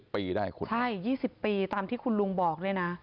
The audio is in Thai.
๒๐ปีได้ขุดใช่๒๐ปีตามที่คุณลุงบอกด้วยนะ